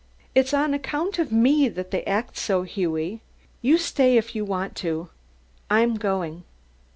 "It's on account of me that they act so, Hughie! You stay if you want to; I'm going."